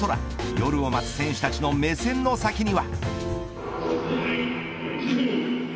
夜を待つ選手たちの目線の先には。